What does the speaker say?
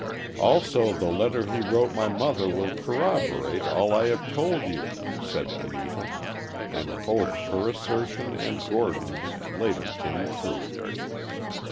"Also the letter he wrote my mother will corroborate all I have told you," said Anita, and both her assertion and Gordon's, later came true.